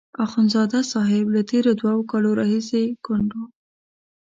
اخندزاده صاحب له تېرو دوو کالو راهیسې کونډ وو.